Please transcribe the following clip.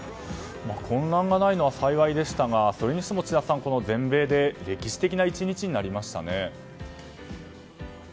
混乱がないのは幸いでしたがそれにしても全米で歴史的な１日になりましたね。